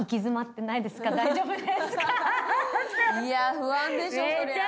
不安でしょそりゃ。